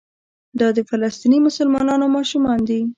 دا د فلسطیني مسلمانانو ماشومان دي.